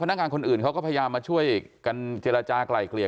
นักงานคนอื่นเขาก็พยายามมาช่วยกันเจรจากลายเกลี่ย